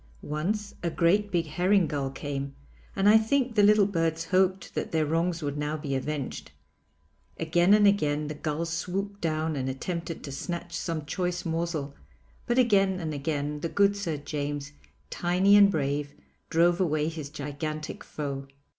Once a great big herring gull came and I think the little birds hoped that their wrongs would now be avenged. Again and again the gull swooped down and attempted to snatch some choice morsel, but again and again the good Sir James tiny and brave, drove away his gigantic foe.